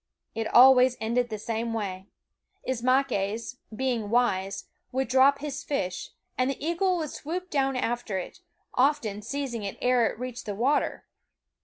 It always ended the same way. Ismaques, being wise, would drop his fish, and the eagle would swoop down after it, often seizing it ere it reached the water.